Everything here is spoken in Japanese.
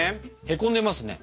へこんでますね。